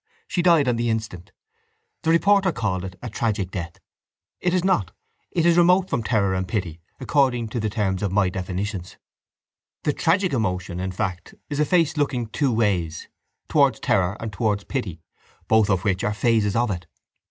She died on the instant. The reporter called it a tragic death. It is not. It is remote from terror and pity according to the terms of my definitions. —The tragic emotion, in fact, is a face looking two ways, towards terror and towards pity, both of which are phases of it.